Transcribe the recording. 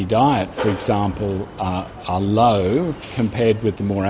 misalnya rendah dibandingkan dengan lebih banyak